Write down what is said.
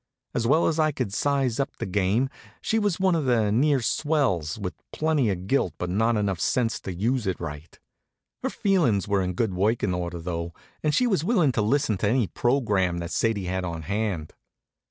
As well as I could size up the game, she was one of the near swells, with plenty of gilt but not enough sense to use it right. Her feelin's were in good workin' order though, and she was willin' to listen to any program that Sadie had on hand.